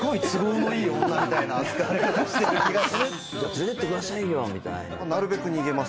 連れてってくださいよみたいの。